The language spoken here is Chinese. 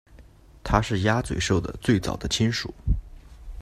它是鸭嘴兽的最早的亲属。